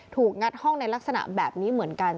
งัดห้องในลักษณะแบบนี้เหมือนกัน